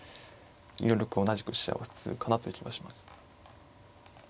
４六同じく飛車は普通かなという気がします。